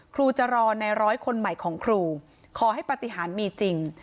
ครูจะรอในร้อยคนใหม่ของครูขอให้ปฏิหารมีจริง